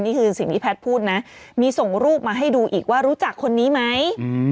นี่คือสิ่งที่แพทย์พูดนะมีส่งรูปมาให้ดูอีกว่ารู้จักคนนี้ไหม